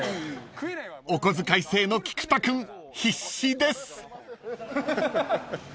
［お小遣い制の菊田君必死です］